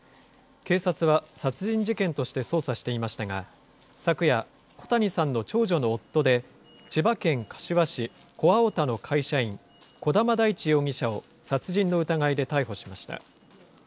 警察は殺人事件として捜査していましたが、昨夜、小谷さんの長女の夫で、千葉県柏市小青田の会社員、児玉大地容疑者を殺人の疑いで逮捕しました。